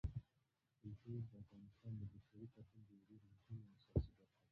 کلتور د افغانستان د بشري فرهنګ یوه ډېره مهمه او اساسي برخه ده.